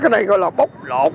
cái này gọi là bốc lột